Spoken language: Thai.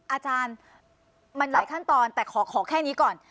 อาจารย์มันหลายขั้นตอนแต่ขอแค่นี้ก่อน